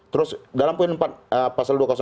terus dalam poin empat pasal dua ratus dua